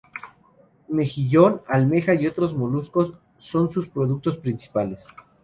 Mejillón, almeja y otros moluscos son sus productos principales.